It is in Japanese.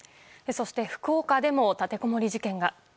そして福岡でも立てこもり事件が。